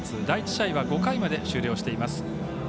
第１試合は５回まで終了しています。